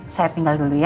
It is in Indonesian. saya tinggal dulu ya